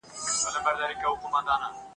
که تعویذ د چا مشکل آسانولای ..